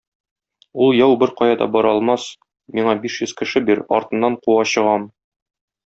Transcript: Ул яу беркая да бара алмас, миңа биш йөз кеше бир, артыннан куа чыгам.